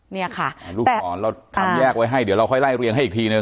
เนี่ยค่ะลูกศรเราทำแยกไว้ให้เดี๋ยวเราค่อยไล่เรียงให้อีกทีหนึ่ง